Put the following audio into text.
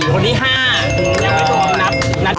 ยังไม่รู้นัด